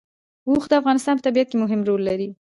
اوښ د افغانستان په طبیعت کې مهم رول لري.